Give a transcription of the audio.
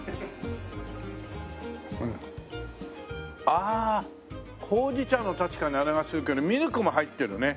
ああほうじ茶の確かにあれがするけどミルクも入ってるね。